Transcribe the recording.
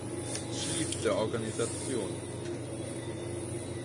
Chief der Organisation.